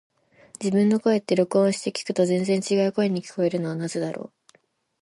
自分の声って、録音して聞くと全然違う声に聞こえるのはなぜだろう。